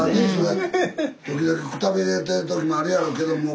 時々くたびれてる時もあるやろうけども。